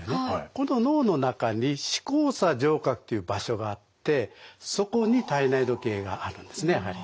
この脳の中に視交叉上核という場所があってそこに体内時計があるんですねやはり。